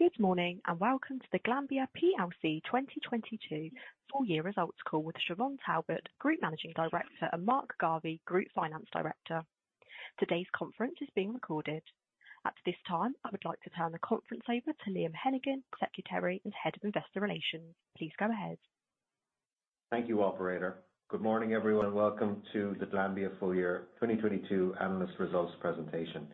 Good morning, welcome to the Glanbia plc 2022 full year results call with Siobhán Talbot, Group Managing Director, and Mark Garvey, Group Finance Director. Today's conference is being recorded. At this time, I would like to turn the conference over to Liam Hennigan, Secretary and Head of Investor Relations. Please go ahead. Thank you, operator. Good morning, everyone. Welcome to the Glanbia full year 2022 analyst results presentation.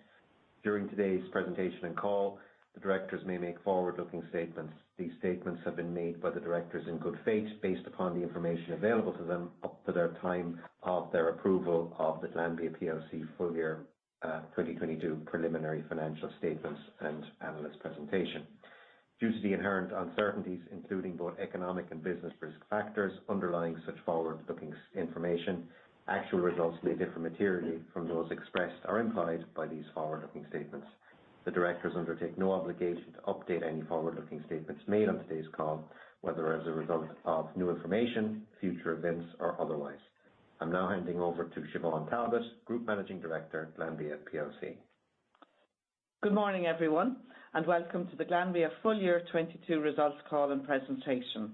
During today's presentation and call, the directors may make forward-looking statements. These statements have been made by the directors in good faith based upon the information available to them up to their time of their approval of the Glanbia plc full year 2022 preliminary financial statements and analyst presentation. Due to the inherent uncertainties, including both economic and business risk factors underlying such forward-looking information, actual results may differ materially from those expressed or implied by these forward-looking statements. The directors undertake no obligation to update any forward-looking statements made on today's call, whether as a result of new information, future events, or otherwise. I'm now handing over to Siobhán Talbot, Group Managing Director, Glanbia plc. Good morning, everyone, welcome to the Glanbia full year 2022 results call and presentation.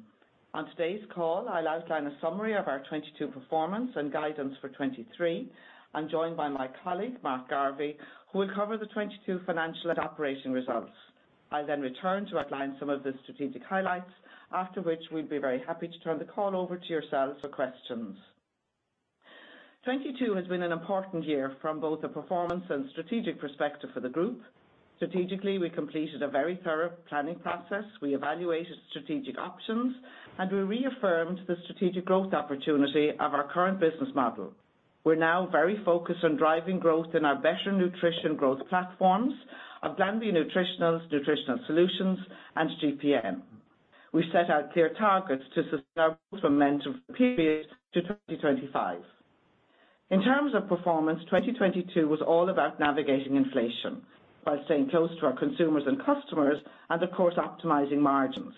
On today's call, I'll outline a summary of our 2022 performance and guidance for 2023. I'm joined by my colleague, Mark Garvey, who will cover the 2022 financial and operation results. I'll return to outline some of the strategic highlights, after which we'd be very happy to turn the call over to yourselves for questions. 2022 has been an important year from both a performance and strategic perspective for the group. Strategically, we completed a very thorough planning process. We evaluated strategic options, and we reaffirmed the strategic growth opportunity of our current business model. We're now very focused on driving growth in our better nutrition growth platforms of Glanbia Nutritionals, Nutritional Solutions, and GPN. We set out clear targets to sustain our momentum from previous to 2025. In terms of performance, 2022 was all about navigating inflation while staying close to our consumers and customers and, of course, optimizing margins.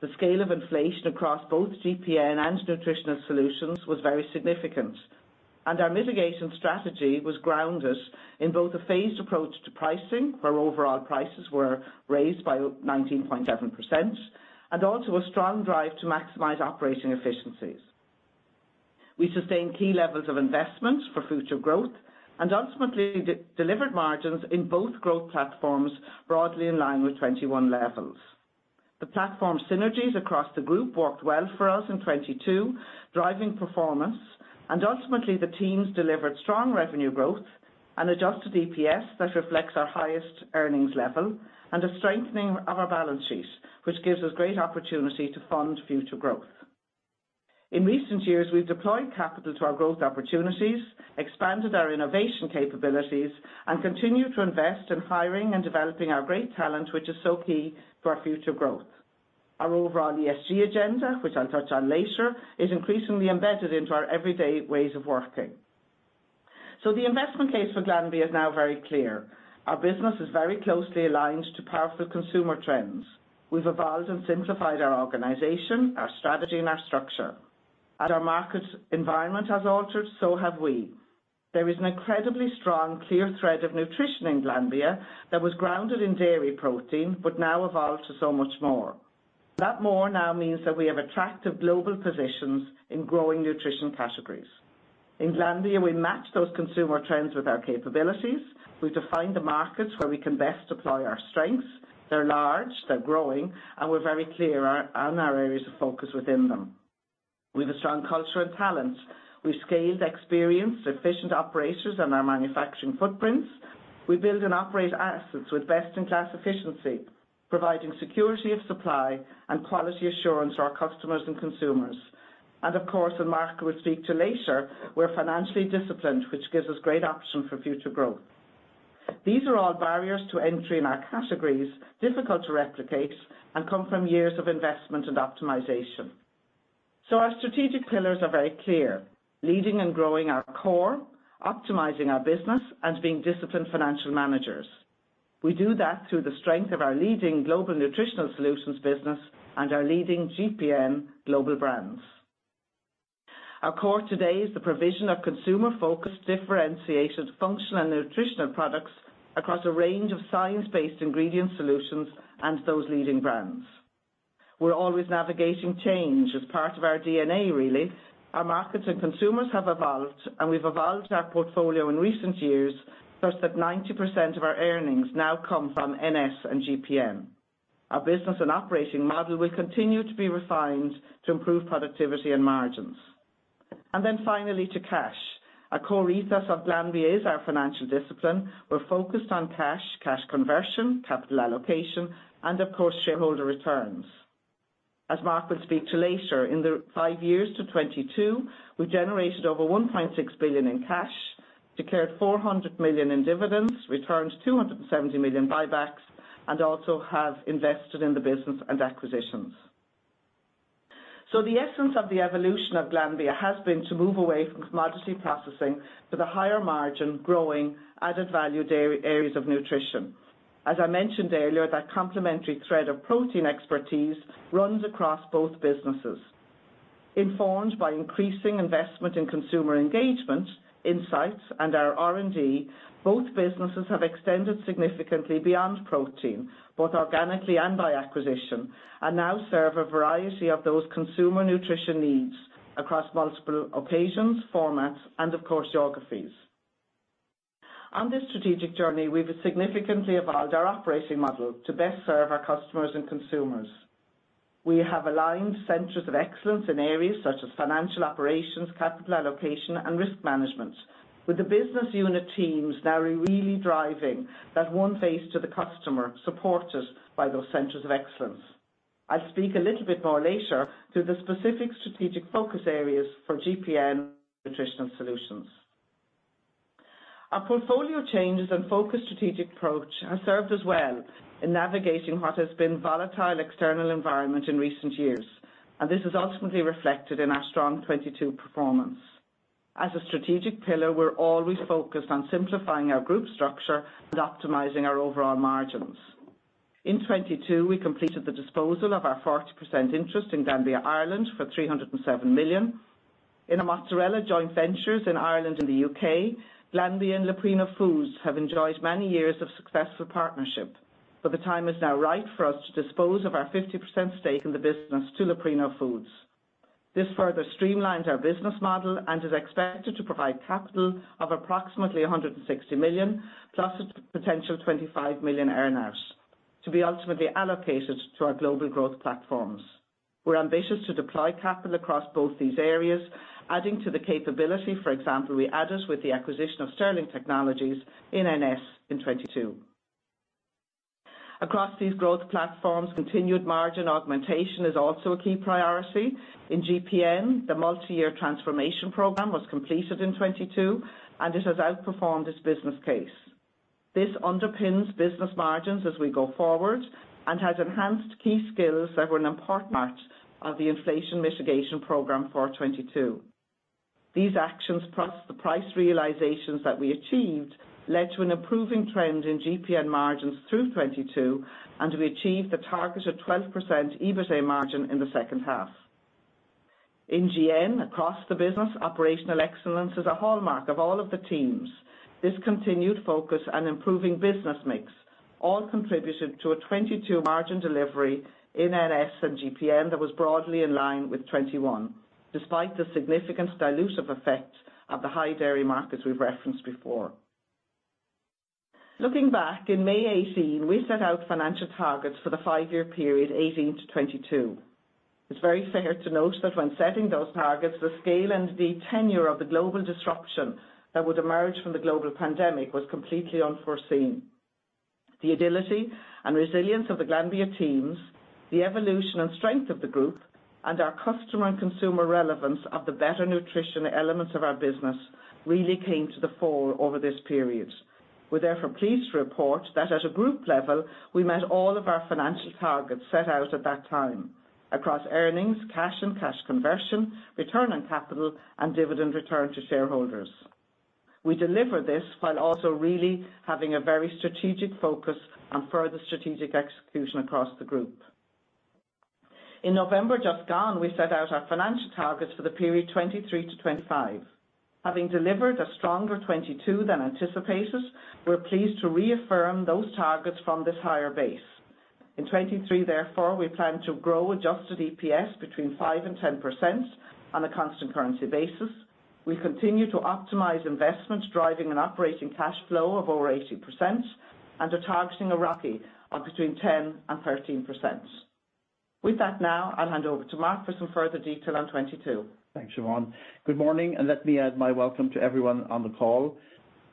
The scale of inflation across both GPN and Nutritional Solutions was very significant. Our mitigation strategy was grounded in both a phased approach to pricing, where overall prices were raised by 19.7%, and also a strong drive to maximize operating efficiencies. We sustained key levels of investment for future growth and ultimately de-delivered margins in both growth platforms broadly in line with 2021 levels. The platform synergies across the group worked well for us in 2022, driving performance. Ultimately the teams delivered strong revenue growth, an adjusted EPS that reflects our highest earnings level, and a strengthening of our balance sheet, which gives us great opportunity to fund future growth. In recent years, we've deployed capital to our growth opportunities, expanded our innovation capabilities, and continue to invest in hiring and developing our great talent, which is so key to our future growth. Our overall ESG agenda, which I'll touch on later, is increasingly embedded into our everyday ways of working. The investment case for Glanbia is now very clear. Our business is very closely aligned to powerful consumer trends. We've evolved and simplified our organization, our strategy, and our structure. As our market environment has altered, so have we. There is an incredibly strong, clear thread of nutrition in Glanbia that was grounded in dairy protein but now evolved to so much more. That more now means that we have attractive global positions in growing nutrition categories. In Glanbia, we match those consumer trends with our capabilities. We've defined the markets where we can best deploy our strengths. They're large, they're growing, and we're very clear on our areas of focus within them. We've a strong culture and talent. We've scaled experienced, efficient operators on our manufacturing footprints. We build and operate assets with best-in-class efficiency, providing security of supply and quality assurance to our customers and consumers. Of course, and Mark will speak to later, we're financially disciplined, which gives us great option for future growth. These are all barriers to entry in our categories, difficult to replicate, and come from years of investment and optimization. Our strategic pillars are very clear: leading and growing our core, optimizing our business, and being disciplined financial managers. We do that through the strength of our leading global Nutritional Solutions business and our leading GPN global brands. Our core today is the provision of consumer-focused, differentiated functional nutritional products across a range of science-based ingredient solutions and those leading brands. We're always navigating change as part of our DNA, really. Our markets and consumers have evolved, and we've evolved our portfolio in recent years such that 90% of our earnings now come from NS and GPN. Our business and operating model will continue to be refined to improve productivity and margins. Finally, to cash. A core ethos of Glanbia is our financial discipline. We're focused on cash conversion, capital allocation, and of course, shareholder returns. As Mark will speak to later, in the five years to 2022, we generated over $1.6 billion in cash, declared $400 million in dividends, returned $270 million buybacks, and also have invested in the business and acquisitions. The essence of the evolution of Glanbia has been to move away from commodity processing to the higher margin, growing, added value areas of nutrition. As I mentioned earlier, that complementary thread of protein expertise runs across both businesses. Informed by increasing investment in consumer engagement, insights and our R&D, both businesses have extended significantly beyond protein, both organically and by acquisition, and now serve a variety of those consumer nutrition needs across multiple occasions, formats, and of course, geographies. On this strategic journey, we have significantly evolved our operating model to best serve our customers and consumers. We have aligned centers of excellence in areas such as financial operations, capital allocation, and risk management. With the business unit teams now really driving that one face to the customer, supported by those centers of excellence. I'll speak a little bit more later to the specific strategic focus areas for GPN Nutritional Solutions. Our portfolio changes and focused strategic approach has served us well in navigating what has been volatile external environment in recent years, and this is ultimately reflected in our strong 22 performance. As a strategic pillar, we're always focused on simplifying our group structure and optimizing our overall margins. In 22, we completed the disposal of our 40% interest in Glanbia Ireland for $307 million. In the mozzarella joint ventures in Ireland and the U.K., Glanbia and Leprino Foods have enjoyed many years of successful partnership, but the time is now right for us to dispose of our 50% stake in the business to Leprino Foods. This further streamlines our business model and is expected to provide capital of approximately $160 million, plus its potential $25 million earn-outs, to be ultimately allocated to our global growth platforms. We're ambitious to deploy capital across both these areas, adding to the capability, for example, we added with the acquisition of Sterling Technology in NS in 2022. Across these growth platforms, continued margin augmentation is also a key priority. In GPN, the multi-year transformation program was completed in 2022. It has outperformed its business case. This underpins business margins as we go forward and has enhanced key skills that were an important part of the inflation mitigation program for 2022. These actions, plus the price realizations that we achieved, led to an improving trend in GPN margins through 2022. We achieved the target of 12% EBITA margin in the second half. In GN across the business, operational excellence is a hallmark of all of the teams. This continued focus on improving business mix all contributed to a 22% margin delivery in NS and GPN that was broadly in line with 2021, despite the significant dilutive effect of the high dairy markets we've referenced before. Looking back, in May 2018, we set out financial targets for the five-year period 2018 to 2022. It's very fair to note that when setting those targets, the scale and the tenure of the global disruption that would emerge from the global pandemic was completely unforeseen. The agility and resilience of the Glanbia teams, the evolution and strength of the group, Our customer and consumer relevance of the better nutrition elements of our business really came to the fore over this period. We're therefore pleased to report that at a group level, we met all of our financial targets set out at that time across earnings, cash and cash conversion, return on capital, and dividend return to shareholders. We deliver this while also really having a very strategic focus on further strategic execution across the group. In November just gone, we set out our financial targets for the period 23-25. Having delivered a stronger 22 than anticipated, we're pleased to reaffirm those targets from this higher base. In 23 therefore, we plan to grow adjusted EPS between 5% and 10% on a constant currency basis. We continue to optimize investments, driving an operating cash flow of over 80% and are targeting a ROCE of between 10% and 13%. With that now, I'll hand over to Mark for some further detail on 22. Thanks, Siobhán. Good morning. Let me add my welcome to everyone on the call.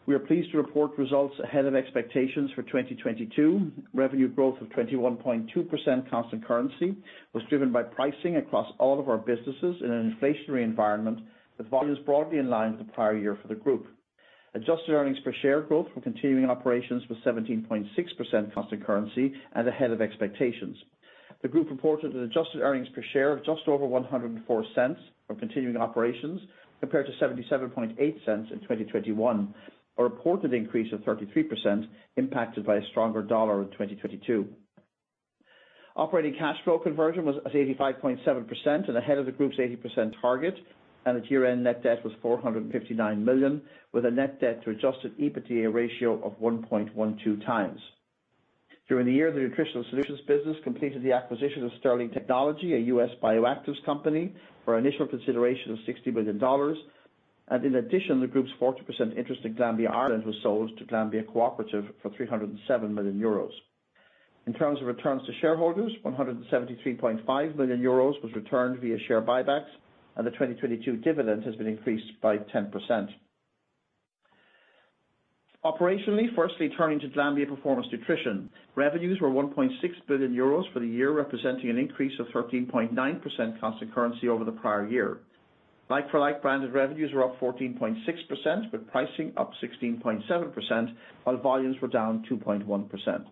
We are pleased to report results ahead of expectations for 2022. Revenue growth of 21.2% constant currency was driven by pricing across all of our businesses in an inflationary environment, with volumes broadly in line with the prior year for the group. Adjusted earnings per share growth from continuing operations was 17.6% constant currency and ahead of expectations. The group reported an adjusted earnings per share of just over $1.04 from continuing operations, compared to $0.778 in 2021. A reported increase of 33% impacted by a stronger dollar in 2022. Operating cash flow conversion was at 85.7% ahead of the group's 80% target. The year-end net debt was $459 million, with a net debt to adjusted EBITDA ratio of 1.12x. During the year, the Nutritional Solutions business completed the acquisition of Sterling Technology, a U.S. Bioactives company, for initial consideration of $60 million. In addition, the group's 40% interest in Glanbia Ireland was sold to Glanbia Co-operative for 307 million euros. In terms of returns to shareholders, 173.5 million euros was returned via share buybacks. The 2022 dividend has been increased by 10%. Operationally, firstly, turning to Glanbia Performance Nutrition. Revenues were 1.6 billion euros for the year, representing an increase of 13.9% constant currency over the prior year. Like for like, branded revenues were up 14.6%, with pricing up 16.7%, while volumes were down 2.1%.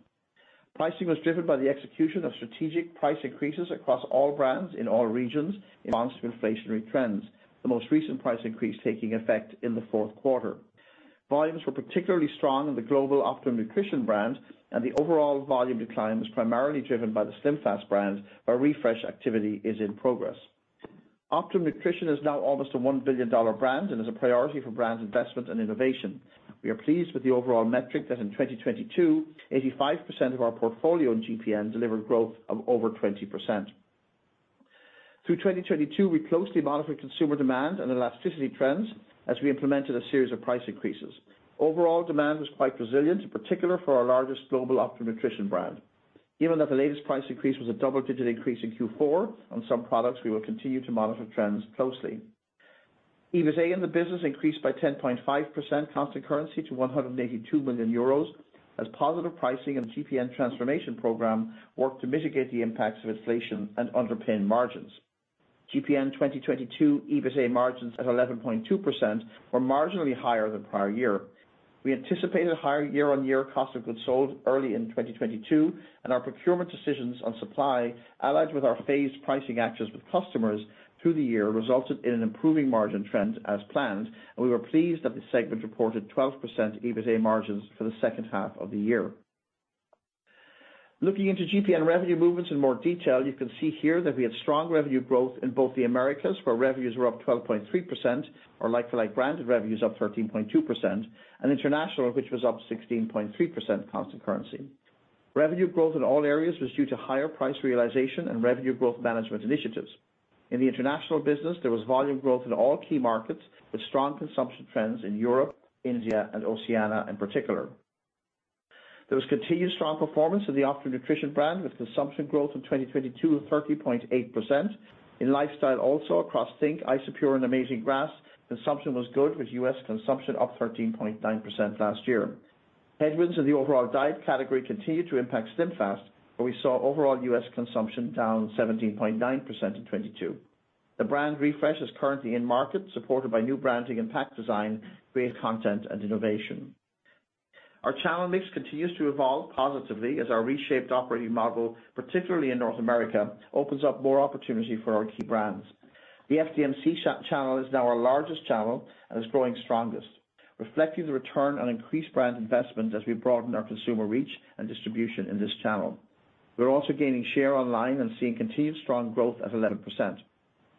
Pricing was driven by the execution of strategic price increases across all brands in all regions in response to inflationary trends. The most recent price increase taking effect in the fourth quarter. Volumes were particularly strong in the global Optimum Nutrition brand, and the overall volume decline was primarily driven by the SlimFast brand, where refresh activity is in progress. Optimum Nutrition is now almost a $1 billion brand and is a priority for brand investment and innovation. We are pleased with the overall metric that in 2022, 85% of our portfolio in GPN delivered growth of over 20%. Through 2022, we closely monitored consumer demand and elasticity trends as we implemented a series of price increases. Overall demand was quite resilient, in particular for our largest global Optimum Nutrition brand. Given that the latest price increase was a double-digit increase in Q4 on some products, we will continue to monitor trends closely. EBITA in the business increased by 10.5% constant currency to 182 million euros as positive pricing and GPN transformation program worked to mitigate the impacts of inflation and underpin margins. GPN 2022 EBITA margins at 11.2% were marginally higher than prior year. We anticipated higher year-on-year cost of goods sold early in 2022, and our procurement decisions on supply, allied with our phased pricing actions with customers through the year, resulted in an improving margin trend as planned. We were pleased that the segment reported 12% EBITA margins for the second half of the year. Looking into GPN revenue movements in more detail, you can see here that we had strong revenue growth in both the Americas, where revenues were up 12.3% or like-for-like branded revenues up 13.2%, and international, which was up 16.3% constant currency. Revenue growth in all areas was due to higher price realization and revenue growth management initiatives. In the international business, there was volume growth in all key markets, with strong consumption trends in Europe, India, and Oceania in particular. There was continued strong performance in the Optimum Nutrition brand, with consumption growth in 2022 of 30.8%. In lifestyle also across think!, Isopure, and Amazing Grass, consumption was good, with U.S. consumption up 13.9% last year. Headwinds in the overall diet category continued to impact SlimFast, where we saw overall U.S. consumption down 17.9% in 2022. The brand refresh is currently in market, supported by new branding and pack design, great content and innovation. Our channel mix continues to evolve positively as our reshaped operating model, particularly in North America, opens up more opportunity for our key brands. The FDMC channel is now our largest channel and is growing strongest, reflecting the return on increased brand investment as we broaden our consumer reach and distribution in this channel. We're also gaining share online and seeing continued strong growth at 11%.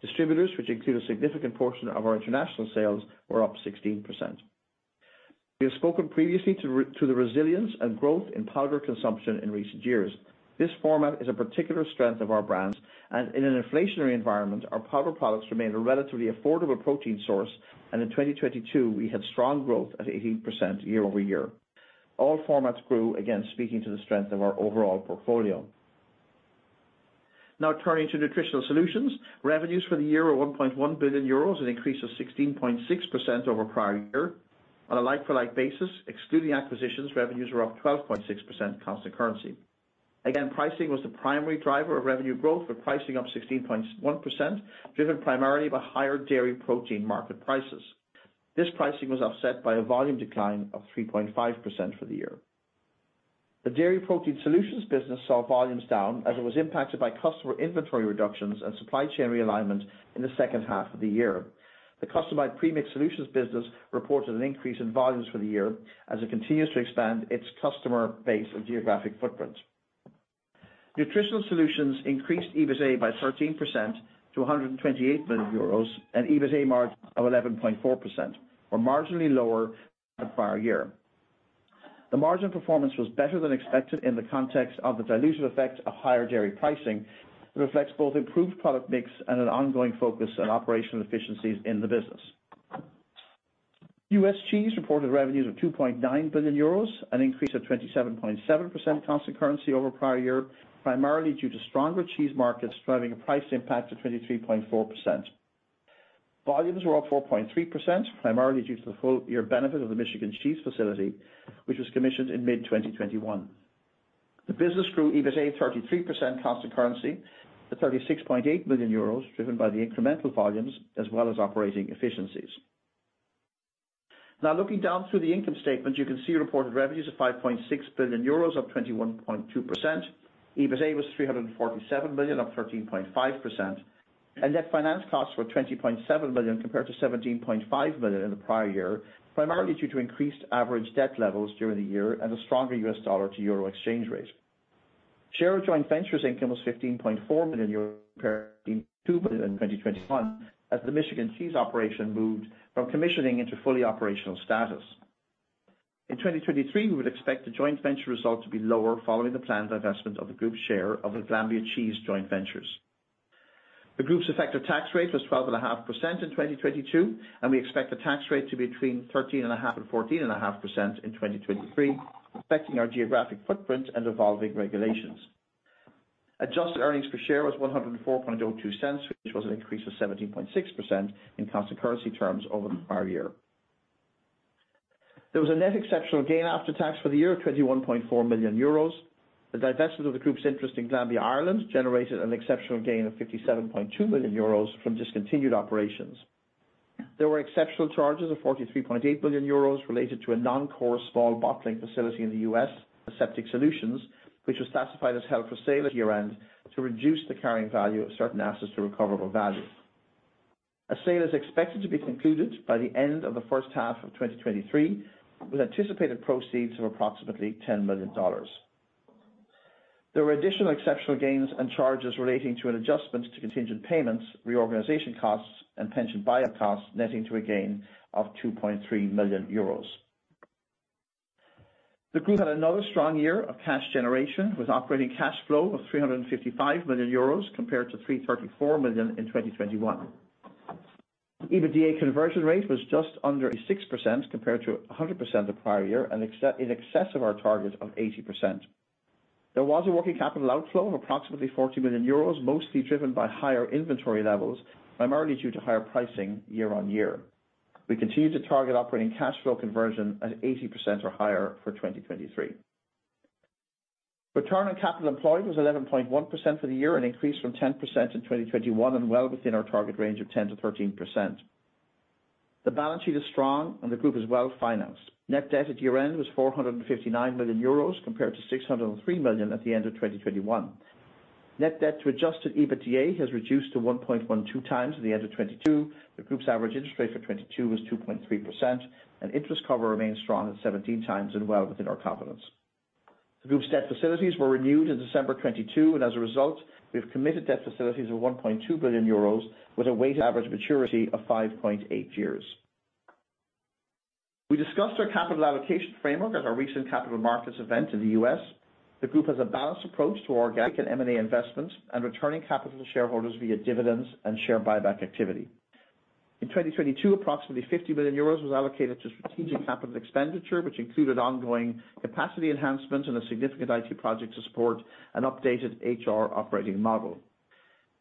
Distributors, which include a significant portion of our international sales, were up 16%. We have spoken previously to the resilience and growth in powder consumption in recent years. This format is a particular strength of our brands, and in an inflationary environment, our powder products remain a relatively affordable protein source. In 2022, we had strong growth at 18% year-over-year. All formats grew, again speaking to the strength of our overall portfolio. Turning to Nutritional Solutions. Revenues for the year were 1.1 billion euros, an increase of 16.6% over prior year. On a like-for-like basis, excluding acquisitions, revenues were up 12.6% constant currency. Again, pricing was the primary driver of revenue growth, with pricing up 16.1%, driven primarily by higher dairy protein market prices. This pricing was offset by a volume decline of 3.5% for the year. The Dairy Protein Solutions business saw volumes down as it was impacted by customer inventory reductions and supply chain realignment in the second half of the year. The Customized Premix Solutions business reported an increase in volumes for the year as it continues to expand its customer base and geographic footprint. Nutritional Solutions increased EBITA by 13% to 128 million euros, an EBITA margin of 11.4%, or marginally lower than the prior year. The margin performance was better than expected in the context of the dilutive effect of higher dairy pricing. It reflects both improved product mix and an ongoing focus on operational efficiencies in the business. U.S. Cheese reported revenues of 2.9 billion euros, an increase of 27.7% constant currency over prior year, primarily due to stronger cheese markets, driving a price impact of 23.4%. Volumes were up 4.3%, primarily due to the full year benefit of the Michigan cheese facility, which was commissioned in mid-2021. The business grew EBITA 33% constant currency to 36.8 million euros, driven by the incremental volumes as well as operating efficiencies. Looking down through the income statement, you can see reported revenues of 5.6 billion euros, up 21.2%. EBITA was 347 million, up 13.5%. Net finance costs were 20.7 million compared to 17.5 million in the prior year, primarily due to increased average debt levels during the year and a stronger U.S. dollar to euro exchange rate. Share of joint ventures income was 15.4 million euros compared to 2 million in 2021 as the Michigan cheese operation moved from commissioning into fully operational status. In 2023, we would expect the joint venture result to be lower following the planned divestment of the group's share of the Glanbia Cheese joint ventures. The group's effective tax rate was 12.5% in 2022, and we expect the tax rate to be between 13.5% and 14.5% in 2023, reflecting our geographic footprint and evolving regulations. Adjusted earnings per share was $104.02, which was an increase of 17.6% in constant currency terms over the prior year. There was a net exceptional gain after tax for the year of 21.4 million euros. The divestment of the group's interest in Glanbia Ireland generated an exceptional gain of 57.2 million euros from discontinued operations. There were exceptional charges of 43.8 million euros related to a non-core small bottling facility in the U.S., Aseptic Solutions, which was classified as held for sale at year-end to reduce the carrying value of certain assets to recoverable value. A sale is expected to be concluded by the end of the first half of 2023, with anticipated proceeds of approximately $10 million. There were additional exceptional gains and charges relating to an adjustment to contingent payments, reorganization costs, and pension buyout costs, netting to a gain of 2.3 million euros. The group had another strong year of cash generation, with operating cash flow of 355 million euros compared to 334 million in 2021. EBITDA conversion rate was just under 6% compared to 100% the prior year, in excess of our target of 80%. There was a working capital outflow of approximately 40 million euros, mostly driven by higher inventory levels, primarily due to higher pricing year-over-year. We continue to target operating cash flow conversion at 80% or higher for 2023. Return on capital employed was 11.1% for the year, an increase from 10% in 2021 and well within our target range of 10%-13%. The balance sheet is strong and the group is well-financed. Net debt at year-end was 459 million euros compared to 603 million at the end of 2021. Net debt to adjusted EBITDA has reduced to 1.12x at the end of 2022. The group's average interest rate for 2022 was 2.3%. Interest cover remains strong at 17x and well within our confidence. The group's debt facilities were renewed in December 2022. As a result, we have committed debt facilities of 1.2 billion euros with a weighted average maturity of 5.8 years. We discussed our capital allocation framework at our recent capital markets event in the U.S. The group has a balanced approach to organic and M&A investments and returning capital to shareholders via dividends and share buyback activity. In 2022, approximately 50 million euros was allocated to strategic capital expenditure, which included ongoing capacity enhancements and a significant IT project to support an updated HR operating model.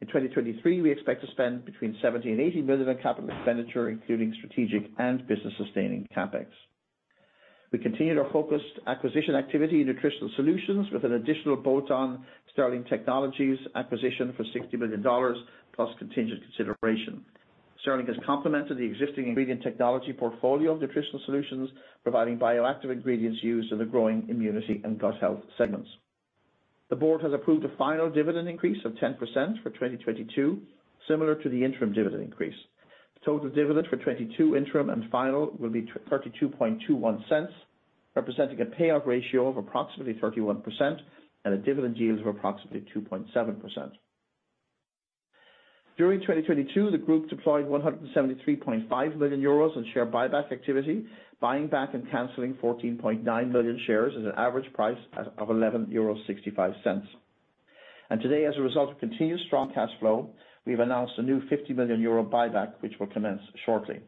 In 2023, we expect to spend between 70 million and 80 million in capital expenditure, including strategic and business-sustaining CapEx. We continued our focused acquisition activity in Nutritional Solutions with an additional bolt-on Sterling Technology acquisition for $60 million plus contingent consideration. Sterling has complemented the existing ingredient technology portfolio of Nutritional Solutions, providing bioactive ingredients used in the growing immunity and gut health segments. The board has approved a final dividend increase of 10% for 2022, similar to the interim dividend increase. The total dividend for 2022 interim and final will be 0.3221, representing a payout ratio of approximately 31% and a dividend yield of approximately 2.7%. During 2022, the group deployed 173.5 million euros in share buyback activity, buying back and canceling 14.9 million shares at an average price of EUR 11.65. Today, as a result of continued strong cash flow, we've announced a new EUR 50 million buyback, which will commence shortly.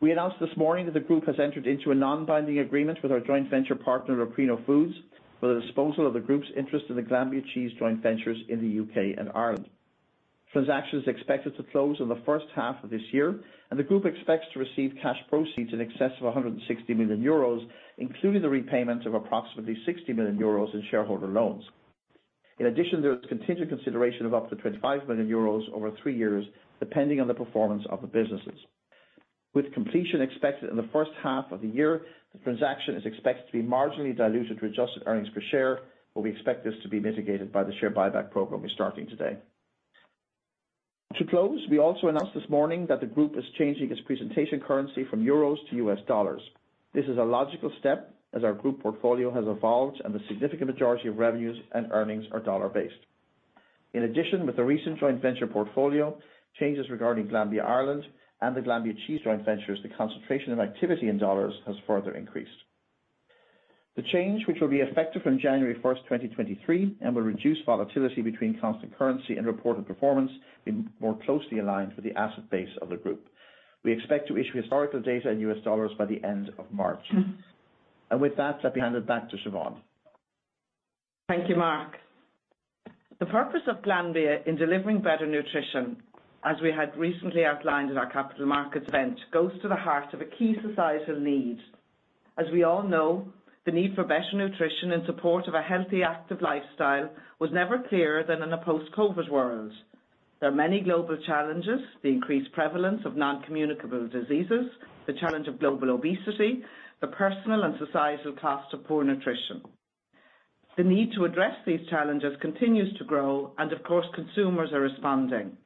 We announced this morning that the group has entered into a non-binding agreement with our joint venture partner, Leprino Foods, for the disposal of the group's interest in the Glanbia Cheese joint ventures in the U.K. and Ireland. Transaction is expected to close in the first half of this year. The group expects to receive cash proceeds in excess of 160 million euros, including the repayment of approximately 60 million euros in shareholder loans. There is contingent consideration of up to 25 million euros over three years, depending on the performance of the businesses. With completion expected in the first half of the year, the transaction is expected to be marginally diluted through adjusted earnings per share. We expect this to be mitigated by the share buyback program we're starting today. We also announced this morning that the group is changing its presentation currency from euros to US dollars. This is a logical step as our group portfolio has evolved and the significant majority of revenues and earnings are dollar-based. With the recent joint venture portfolio, changes regarding Glanbia Ireland and the Glanbia Cheese joint ventures, the concentration of activity in dollars has further increased. The change, which will be effective from January 1st, 2023, and will reduce volatility between constant currency and reported performance being more closely aligned with the asset base of the group. We expect to issue historical data in U.S. dollars. By the end of March. With that, let me hand it back to Siobhán. Thank you, Mark. The purpose of Glanbia in delivering better nutrition, as we had recently outlined in our capital markets event, goes to the heart of a key societal need. As we all know, the need for better nutrition in support of a healthy, active lifestyle was never clearer than in a post-COVID world. There are many global challenges, the increased prevalence of non-communicable diseases, the challenge of global obesity, the personal and societal cost of poor nutrition. The need to address these challenges continues to grow and, of course, consumers are responding.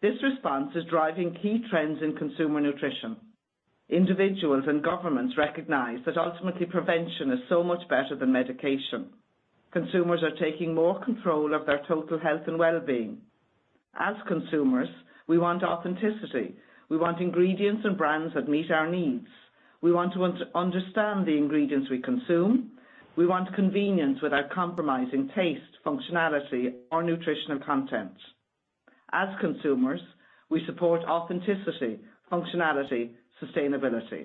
This response is driving key trends in consumer nutrition. Individuals and governments recognize that ultimately prevention is so much better than medication. Consumers are taking more control of their total health and well-being. As consumers, we want authenticity. We want ingredients and brands that meet our needs. We want to understand the ingredients we consume. We want convenience without compromising taste, functionality or nutritional content. As consumers, we support authenticity, functionality, sustainability.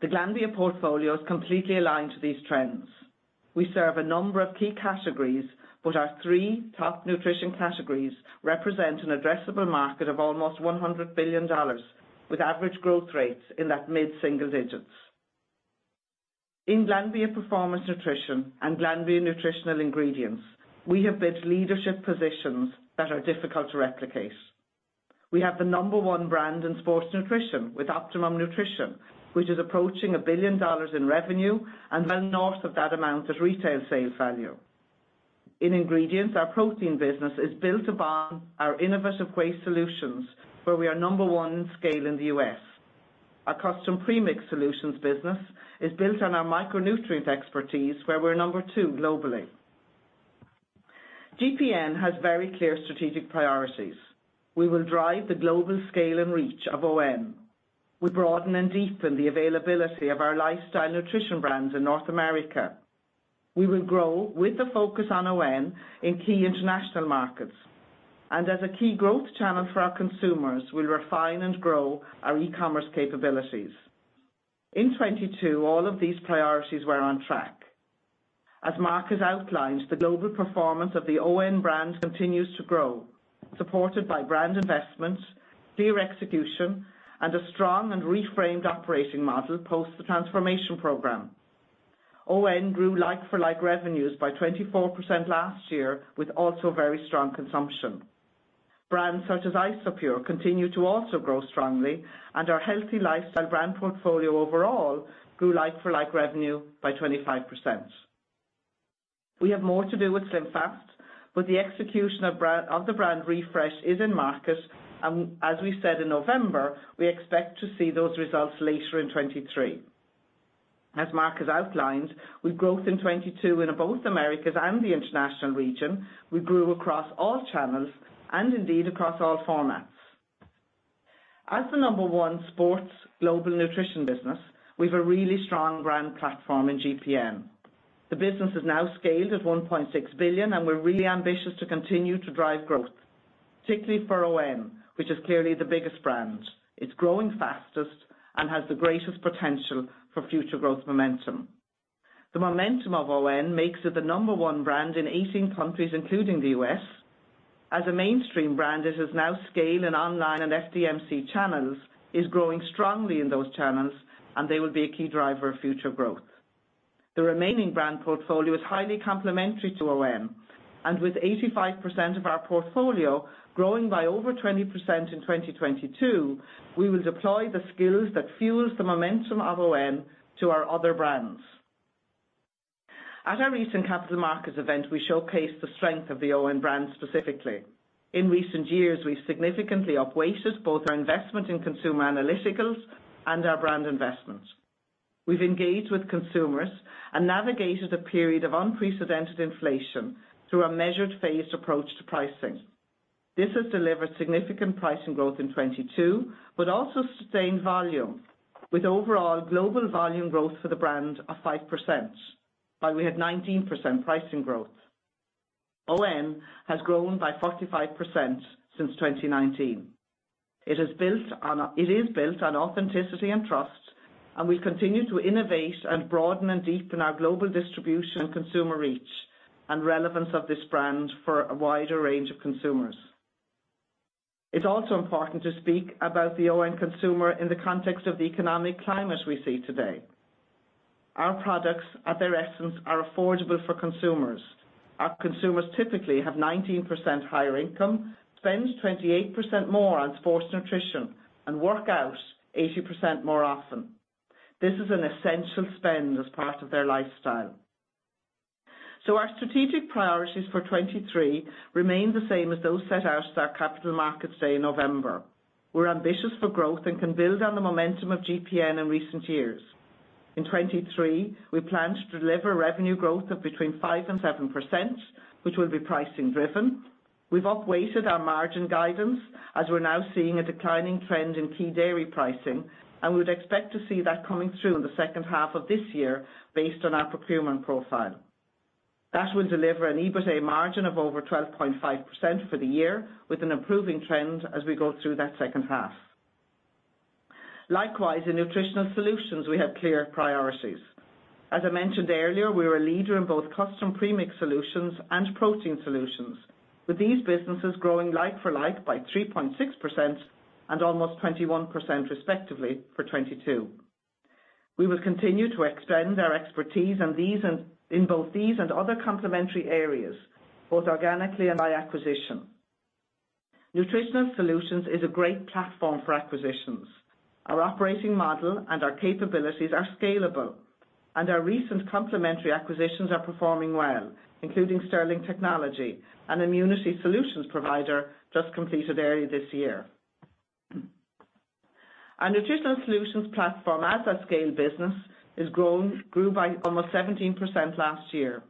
The Glanbia portfolio is completely aligned to these trends. We serve a number of key categories, our three top nutrition categories represent an addressable market of almost $100 billion with average growth rates in that mid-single digits. In Glanbia Performance Nutrition and Glanbia Nutritionals, we have built leadership positions that are difficult to replicate. We have the number one brand in sports nutrition with Optimum Nutrition, which is approaching $1 billion in revenue and well north of that amount at retail sales value. In ingredients, our protein business is built upon our innovative whey solutions, where we are number one in scale in the U.S. Our custom premix solutions business is built on our micronutrient expertise, where we're number two globally. GPN has very clear strategic priorities. We will drive the global scale and reach of ON. We'll broaden and deepen the availability of our lifestyle nutrition brands in North America. We will grow with the focus on ON in key international markets. As a key growth channel for our consumers, we'll refine and grow our e-commerce capabilities. In 2022, all of these priorities were on track. As Mark has outlined, the global performance of the ON brand continues to grow, supported by brand investments, clear execution, and a strong and reframed operating model post the transformation program. ON grew like-for-like revenues by 24% last year, with also very strong consumption. Brands such as Isopure continue to also grow strongly, and our healthy lifestyle brand portfolio overall grew like-for-like revenue by 25%. We have more to do with SlimFast. The execution of the brand refresh is in market. As we said in November, we expect to see those results later in 2023. As Mark has outlined, with growth in 2022 in both Americas and the international region, we grew across all channels and indeed across all formats. As the number one sports global nutrition business, we've a really strong brand platform in GPN. The business is now scaled at $1.6 billion. We're really ambitious to continue to drive growth, particularly for ON, which is clearly the biggest brand. It's growing fastest and has the greatest potential for future growth momentum. The momentum of ON makes it the number one brand in 18 countries, including the U.S. As a mainstream brand, it has now scaled in online and FDMC channels, is growing strongly in those channels, and they will be a key driver of future growth. The remaining brand portfolio is highly complementary to ON, with 85% of our portfolio growing by over 20% in 2022, we will deploy the skills that fuels the momentum of ON to our other brands. At our recent capital markets event, we showcased the strength of the ON brand specifically. In recent years, we've significantly upweighted both our investment in consumer analyticals and our brand investments. We've engaged with consumers and navigated a period of unprecedented inflation through a measured, phased approach to pricing. This has delivered significant pricing growth in 2022, but also sustained volume, with overall global volume growth for the brand of 5%. We had 19% pricing growth. ON has grown by 45% since 2019. It is built on authenticity and trust. We continue to innovate and broaden and deepen our global distribution and consumer reach and relevance of this brand for a wider range of consumers. It's also important to speak about the ON consumer in the context of the economic climate we see today. Our products, at their essence, are affordable for consumers. Our consumers typically have 19% higher income, spend 28% more on sports nutrition, and work out 80% more often. This is an essential spend as part of their lifestyle. Our strategic priorities for 2023 remain the same as those set out at our capital markets day in November. We're ambitious for growth and can build on the momentum of GPN in recent years. In 2023, we plan to deliver revenue growth of between 5%-7%, which will be pricing driven. We've upweighted our margin guidance as we're now seeing a declining trend in key dairy pricing, and we'd expect to see that coming through in the second half of this year based on our procurement profile. That will deliver an EBITA margin of over 12.5% for the year, with an improving trend as we go through that second half. Likewise, in Nutritional Solutions, we have clear priorities. As I mentioned earlier, we're a leader in both custom premix solutions and Protein Solutions. With these businesses growing like for like by 3.6% and almost 21% respectively for 2022. We will continue to extend our expertise in these and, in both these and other complementary areas, both organically and by acquisition. Nutritional Solutions is a great platform for acquisitions. Our operating model and our capabilities are scalable, and our recent complementary acquisitions are performing well, including Sterling Technology, an immunity solutions provider just completed early this year. Our Nutritional Solutions platform as a scale business grew by almost 17% last year.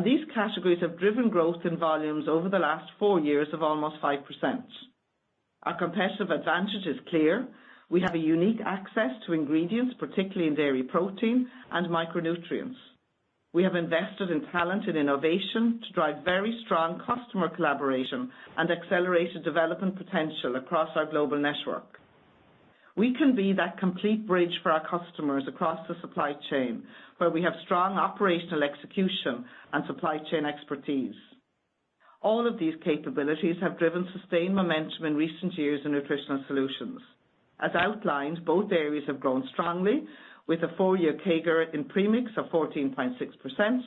These categories have driven growth in volumes over the last four years of almost 5%. Our competitive advantage is clear. We have a unique access to ingredients, particularly in dairy protein and micronutrients. We have invested in talent and innovation to drive very strong customer collaboration and accelerated development potential across our global network. We can be that complete bridge for our customers across the supply chain, where we have strong operational execution and supply chain expertise. All of these capabilities have driven sustained momentum in recent years in Nutritional Solutions. As outlined, both areas have grown strongly with a four-year CAGR in premix of 14.6%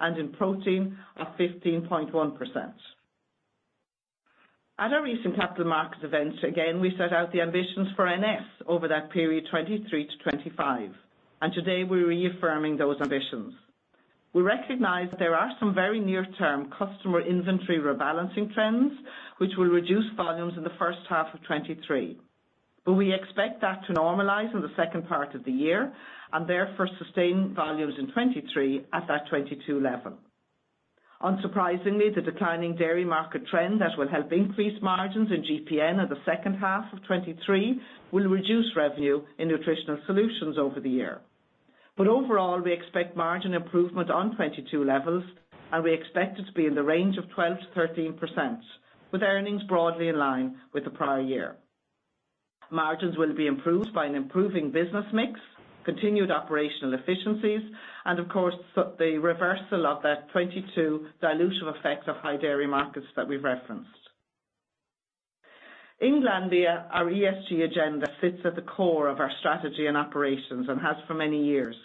and in protein of 15.1%. At our recent capital markets event, again, we set out the ambitions for NS over that period 2023 to 2025, and today we're reaffirming those ambitions. We recognize there are some very near-term customer inventory rebalancing trends which will reduce volumes in the first half of 2023. We expect that to normalize in the second part of the year and therefore sustain volumes in 2023 at that 2022 level. Unsurprisingly, the declining dairy market trend that will help increase margins in GPN in the second half of 2023 will reduce revenue in Nutritional Solutions over the year. Overall, we expect margin improvement on 2022 levels, and we expect it to be in the range of 12%-13%, with earnings broadly in line with the prior year. Margins will be improved by an improving business mix, continued operational efficiencies, and of course, the reversal of that 2022 dilution effects of high dairy markets that we've referenced. In Glanbia, our ESG agenda sits at the core of our strategy and operations and has for many years.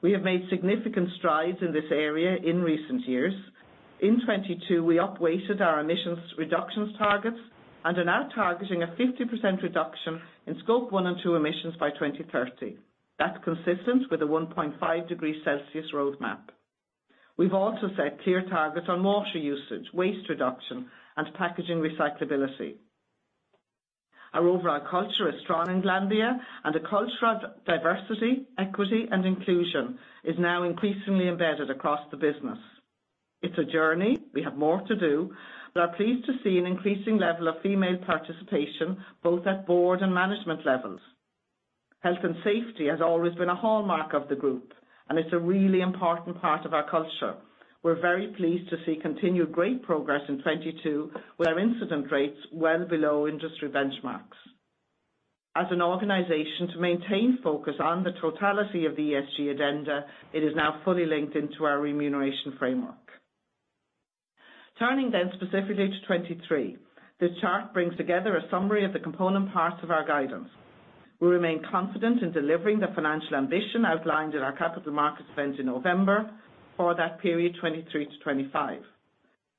We have made significant strides in this area in recent years. In 2022, we up-weighted our emissions reductions targets and are now targeting a 50% reduction in Scope 1 and 2 emissions by 2030. That's consistent with the 1.5 degrees Celsius roadmap. We've also set clear targets on water usage, waste reduction, and packaging recyclability. Our overall culture is strong in Glanbia, and a culture of diversity, equity, and inclusion is now increasingly embedded across the business. It's a journey. We have more to do, but are pleased to see an increasing level of female participation, both at board and management levels. Health and safety has always been a hallmark of the group, and it's a really important part of our culture. We're very pleased to see continued great progress in 2022, with our incident rates well below industry benchmarks. As an organization to maintain focus on the totality of the ESG agenda, it is now fully linked into our remuneration framework. Turning then specifically to 2023, this chart brings together a summary of the component parts of our guidance. We remain confident in delivering the financial ambition outlined in our capital markets event in November for that period 2023-2025.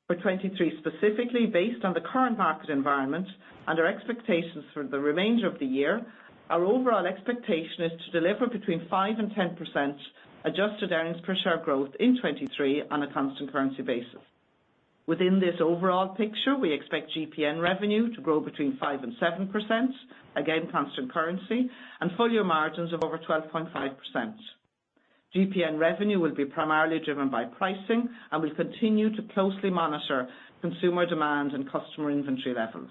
For 2023, specifically based on the current market environment and our expectations for the remainder of the year, our overall expectation is to deliver between 5% and 10% adjusted earnings per share growth in 2023 on a constant currency basis. Within this overall picture, we expect GPN revenue to grow between 5% and 7%, again constant currency, and full-year margins of over 12.5%. GPN revenue will be primarily driven by pricing, and we continue to closely monitor consumer demand and customer inventory levels.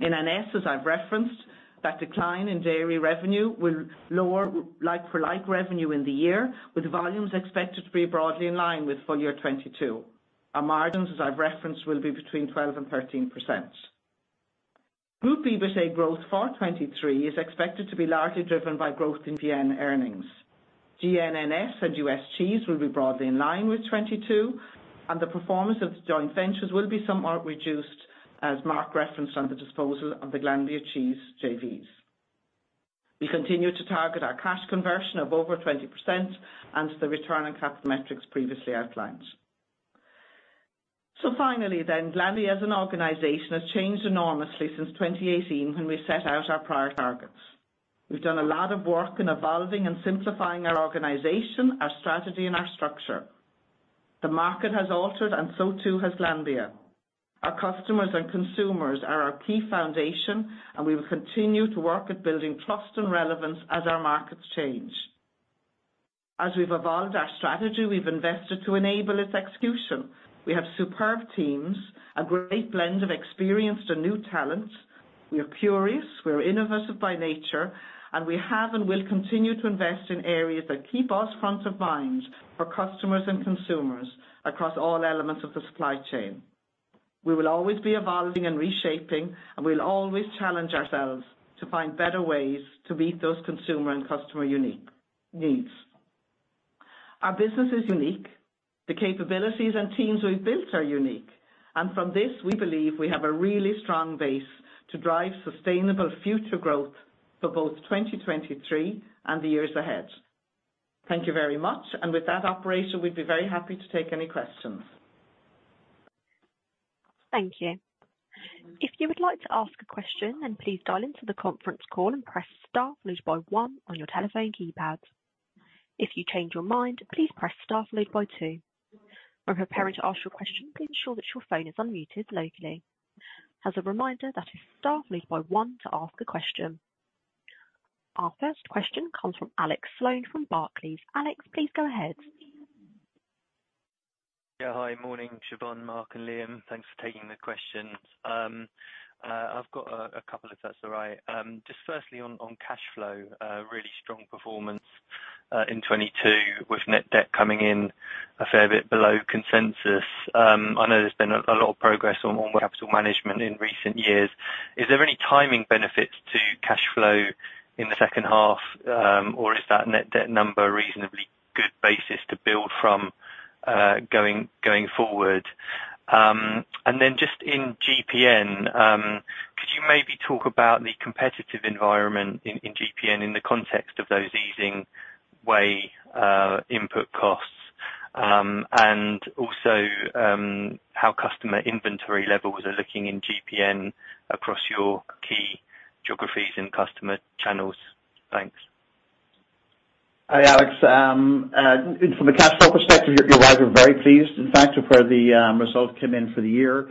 In NS, as I've referenced, that decline in dairy revenue will lower like-for-like revenue in the year, with volumes expected to be broadly in line with full year 2022. Our margins, as I've referenced, will be between 12% and 13%. Group EBITDA growth for 2023 is expected to be largely driven by growth in GN earnings. GNNF and U.S. Cheese will be broadly in line with 2022, and the performance of the joint ventures will be somewhat reduced, as Mark referenced on the disposal of the Glanbia Cheese JVs. We continue to target our cash conversion of over 20% and the return on capital metrics previously outlined. Glanbia as an organization has changed enormously since 2018 when we set out our prior targets. We've done a lot of work in evolving and simplifying our organization, our strategy, and our structure. The market has altered and so too has Glanbia. Our customers and consumers are our key foundation, and we will continue to work at building trust and relevance as our markets change. As we've evolved our strategy, we've invested to enable its execution. We have superb teams, a great blend of experienced and new talents. We are curious, we are innovative by nature, and we have and will continue to invest in areas that keep us front of mind for customers and consumers across all elements of the supply chain. We will always be evolving and reshaping, and we will always challenge ourselves to find better ways to meet those consumer and customer unique needs. Our business is unique. The capabilities and teams we've built are unique. From this, we believe we have a really strong base to drive sustainable future growth for both 2023 and the years ahead. Thank you very much. With that operator, we'd be very happy to take any questions. Thank you. If you would like to ask a question, then please dial into the conference call and press star followed by one on your telephone keypad. If you change your mind, please press star followed by two. When preparing to ask your question, please ensure that your phone is unmuted locally. As a reminder, that is star followed by one to ask a question. Our first question comes from Alex Sloane from Barclays. Alex, please go ahead. Yeah. Hi. Morning, Siobhán, Mark, and Liam. Thanks for taking the questions. I've got a couple if that's all right. Just firstly on cash flow, really strong performance in 2022 with net debt coming in a fair bit below consensus. I know there's been a lot of progress on capital management in recent years. Is there any timing benefits to cash flow in the second half, or is that net debt number a reasonably good basis to build from, going forward? Just in GPN, could you maybe talk about the competitive environment in GPN in the context of those easing whey input costs, and also, how customer inventory levels are looking in GPN across your key geographies and customer channels? Thanks. Hi, Alex. From a cash flow perspective, you're right. We're very pleased, in fact, with where the results came in for the year.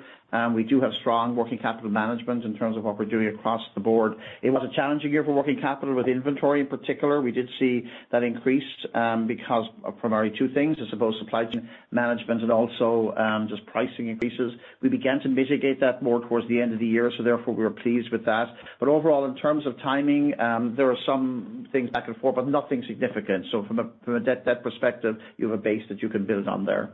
We do have strong working capital management in terms of what we're doing across the board. It was a challenging year for working capital with inventory in particular. We did see that increased because of primarily two things, I suppose, supply chain management and also just pricing increases. We began to mitigate that more towards the end of the year, so therefore we were pleased with that. Overall, in terms of timing, there are some things back and forth, but nothing significant. From a debt perspective, you have a base that you can build on there.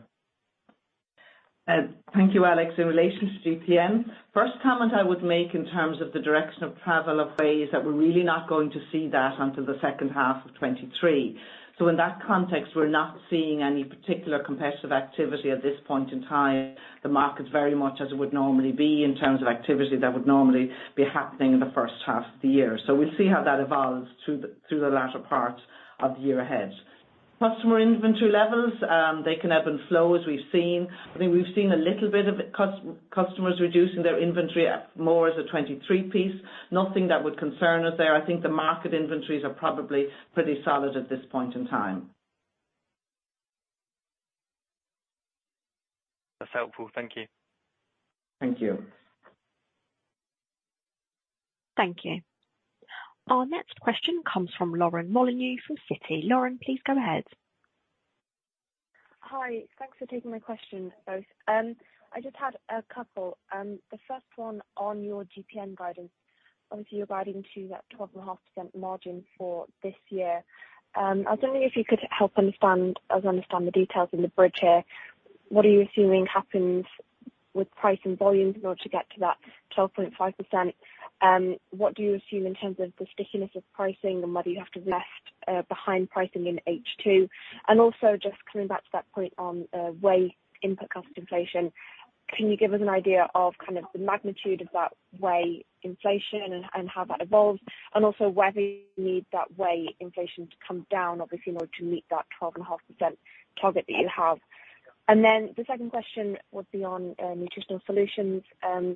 Thank you, Alex. In relation to GPN, first comment I would make in terms of the direction of travel of whey is that we're really not going to see that until the second half of 2023. In that context, we're not seeing any particular competitive activity at this point in time. The market's very much as it would normally be in terms of activity that would normally be happening in the first half of the year. We'll see how that evolves through the, through the latter part of the year ahead. Customer inventory levels, they can ebb and flow as we've seen. I mean, we've seen a little bit of it customers reducing their inventory more as a 23 piece. Nothing that would concern us there. I think the market inventories are probably pretty solid at this point in time. That's helpful. Thank you. Thank you. Thank you. Our next question comes from Lauren Molyneux from Citi. Lauren, please go ahead. Hi. Thanks for taking my question. I just had a couple. The first one on your GPN guidance. Obviously, you're guiding to that 12.5% margin for this year. I was wondering if you could help understand, as I understand the details in the bridge here, what are you assuming happens with price and volume in order to get to that 12.5%? What do you assume in terms of the stickiness of pricing and whether you have to rest behind pricing in H2? Also just coming back to that point on whey input cost inflation, can you give us an idea of kind of the magnitude of that whey inflation and how that evolves? Also whether you need that whey inflation to come down, obviously, in order to meet that 12.5% target that you have. The second question would be on Nutritional Solutions and